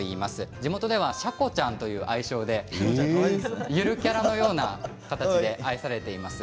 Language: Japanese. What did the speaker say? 地元ではシャコちゃんという愛称でゆるキャラのような形で愛されています。